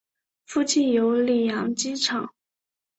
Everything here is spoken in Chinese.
附近有里扬机场。